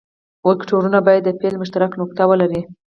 وکتورونه باید د پیل مشترکه نقطه ولري.